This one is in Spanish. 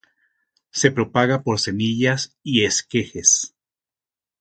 Se propaga por semillas y esquejes.